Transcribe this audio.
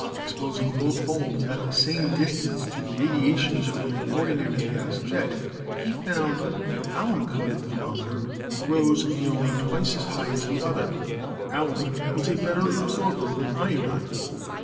Exposing both bulbs at the same dis tance to the radiations from an ordinary gas jet, he found the alum coated thermometer rose nearly twice as high as the other; alum was a better absorber than iodine.